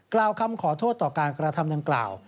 กล่าวคำขอโทษต่อการกระทำดังกล่าว